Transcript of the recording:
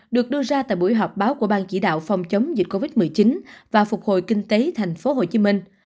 được đưa ra tại buổi họp báo của ban chỉ đạo phòng chống dịch covid một mươi chín và phục hồi kinh tế tp hcm